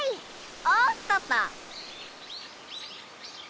おっとっと。